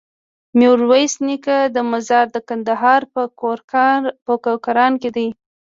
د ميرويس نيکه مزار د کندهار په کوکران کی دی